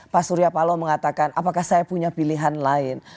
pak surya paloh mengatakan apakah saya punya pilihan lain